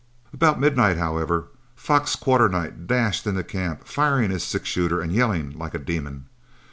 About midnight, however, Fox Quarternight dashed into camp, firing his six shooter and yelling like a demon.